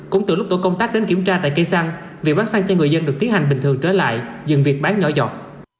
cũng từ lúc tổ công tác đến kiểm tra tại cây xăng việc bán xăng cho người dân được tiến hành bình thường trở lại dừng việc bán nhỏ giọt